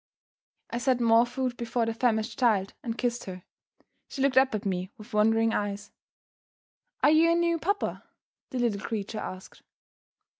I set more food before the famished child and kissed her. She looked up at me with wondering eyes. "Are you a new papa?" the little creature asked.